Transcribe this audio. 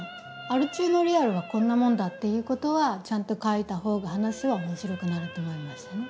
アル中のリアルはこんなもんだっていうことはちゃんと描いた方が話は面白くなると思いましたね。